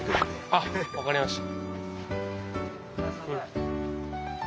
あっ分かりました。